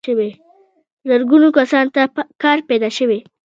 زرګونو کسانو ته کار پیدا شوی.